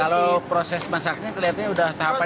kalau proses masaknya kelihatannya udah tahapan